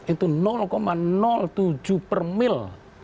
itu tujuh per mil